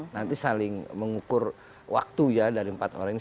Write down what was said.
nanti saling mengukur waktunya dari empat orang ini